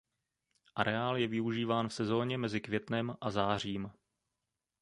Areál je využíván v sezóně mezi květnem a zářím.